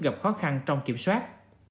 gặp khó khăn trong kiểm soát